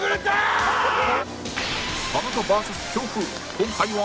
今回は